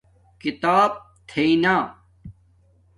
کھیتاپ تھݵنا